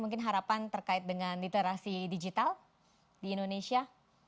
mungkin harapan terkait dengan literasi digital di indonesia